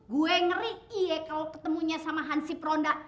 gue ngeri ya kalau ketemunya sama hansip ronda